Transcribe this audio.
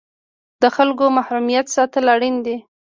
د خلکو محرمیت ساتل اړین دي؟